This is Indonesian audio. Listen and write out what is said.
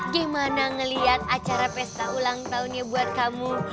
gimana ngelihat acara pesta ulang tahunnya buat kamu